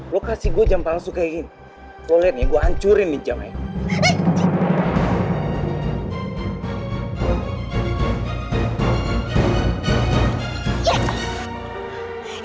lo kasih jam palsu gue kayak gini lo liat nih gue ancurin jam ini